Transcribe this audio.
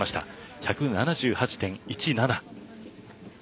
１７８．１７。